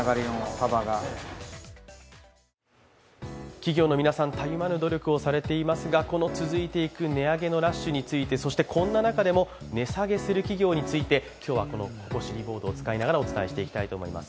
企業の皆さん、たゆまぬ努力をされていますが、この続いていく値上げのラッシュについて、そして、こんな中でも値下げする企業について今日はココシリボードを使いながらお伝えしたいと思います。